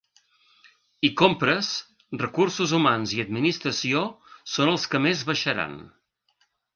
I compres, recursos humans i administració són els que més baixaran.